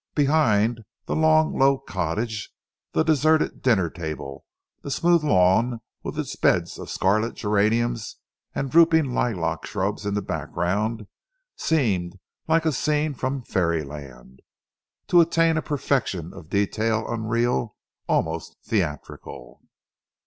Behind, the long low cottage, the deserted dinner table, the smooth lawn with its beds of scarlet geraniums and drooping lilac shrubs in the background, seemed like a scene from fairyland, to attain a perfection of detail unreal, almost theatrical.